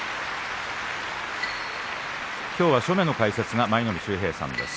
きょうは正面の解説は舞の海秀平さんです。